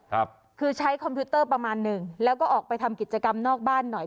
ครับคือใช้คอมพิวเตอร์ประมาณหนึ่งแล้วก็ออกไปทำกิจกรรมนอกบ้านหน่อย